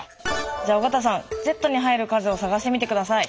じゃあ尾形さんｚに入る数を探してみて下さい。